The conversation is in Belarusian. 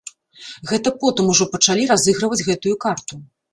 Гэта потым ужо пачалі разыгрываць гэтую карту.